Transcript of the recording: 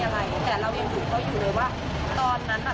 เขาก็ยังมีแจ้งความว่าเขาโดนจริงเขาไม่ได้อะไร